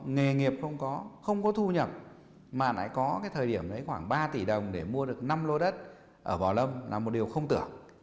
nghề nghiệp không có thu nhập mà lại có cái thời điểm đấy khoảng ba tỷ đồng để mua được năm lô đất ở bảo lâm là một điều không tưởng